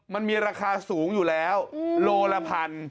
มันมีราคาสูงอยู่แล้วโลละพัน